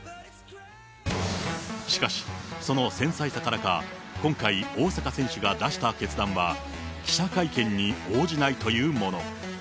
しかし、その繊細さからか、今回、大坂選手が出した決断は、記者会見に応じないというもの。